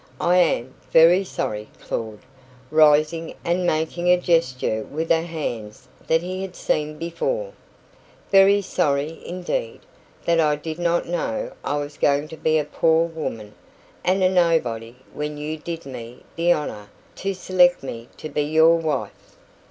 I am very sorry, Claud" rising, and making a gesture with her hands that he had seen before "very sorry indeed, that I did not know I was going to be a poor woman and a nobody when you did me the honour to select me to be your wife.